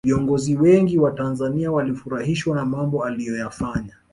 viongozi wengi wa tanzania walifurahishwa na mambo aliyoyafanya